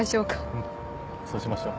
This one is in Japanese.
うんそうしましょう。